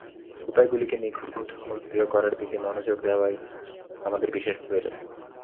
উপায়গুলিকে নিখুঁত ও দৃঢ় করার দিকে মনোযোগ দেওয়াই আমাদের বিশেষ প্রয়োজন।